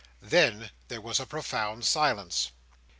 Then there was a profound silence.